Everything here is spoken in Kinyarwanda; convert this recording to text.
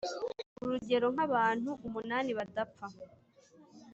urugero nk’abantu umunani badapfa